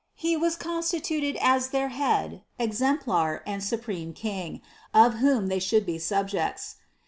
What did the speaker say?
He was constituted as their Head, Exemplar and supreme King, of whom they should be subjects.